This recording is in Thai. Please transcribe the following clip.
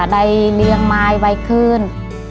ได้เลี้ยงไม้ใหม่ขึ้น